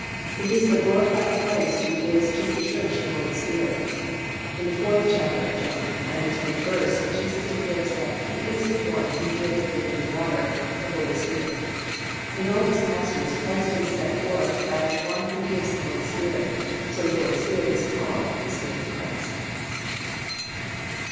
It is the glorified Christ who gives to the Church the Holy Spirit. In the fourth chapter of John and the tenth verse Jesus declares that He is the One who gives the living water, the Holy Spirit. In all these passages, Christ is set forth as the One who gives the Holy Spirit, so the Holy Spirit is called "the Spirit of Christ."